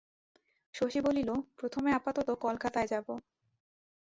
শশী বলিল, প্রথমে আপাতত কলকাতায় যাব।